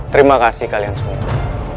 terima kasih kalian semua